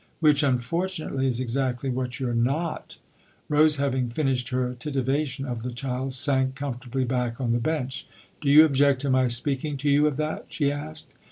" Which, unfortunately, is exactly what you're not !" Rose, having finished her titivation of the child, sank comfortably back on the bench. "Do you object to my speaking to you of that ?" she asked.